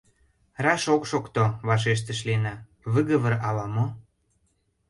— Раш ок шокто, — вашештыш Лена, — выговор ала-мо.